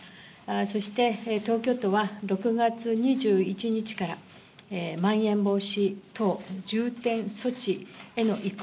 そして、東京都は６月２１日からまん延防止等重点措置への移行